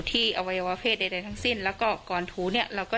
ที่เอาไววะเพศใดใดทั้งสิ้นแล้วก็ก่อนถูเนี้ยเราก็